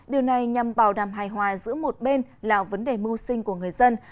điều này nhằm bảo đảm hài hòa giữa một bên là vấn đề mưu sinh của người dân